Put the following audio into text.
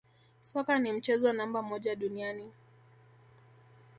Soka ni mchezo namba moja duniani